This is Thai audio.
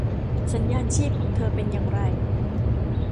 สัญญาณชีพของเธอเป็นอย่างไร